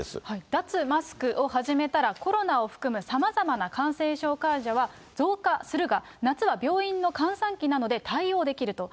脱マスクを始めたら、コロナを含む、さまざまな感染症患者は増加するが、夏は病院の閑散期なので、対応できると。